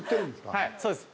はいそうです。